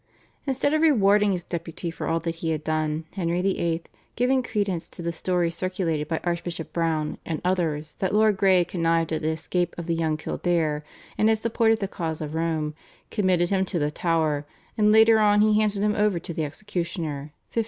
Instead of rewarding his deputy for all that he had done, Henry VIII., giving credence to the stories circulated by Archbishop Browne and others that Lord Grey had connived at the escape of the young Kildare and had supported the cause of Rome, committed him to the Tower, and later on he handed him over to the executioner (1541).